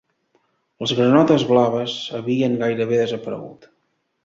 Les granotes blaves havien gairebé desaparegut